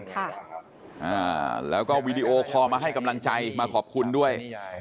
ค่ะอ่าแล้วก็วีดีโอคอลมาให้กำลังใจมาขอบคุณด้วย